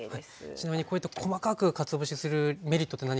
ちなみにこうやって細かくかつお節するメリットって何かあるんですか？